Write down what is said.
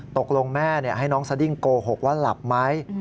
ตกลงแม่ให้น้องสดิ้งโกหกว่าหลับไหม